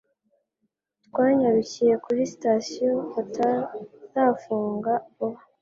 Twanyarukiye kuri sitasiyo batarafunga vuba